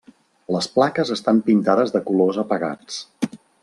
Les plaques estan pintades de colors apagats.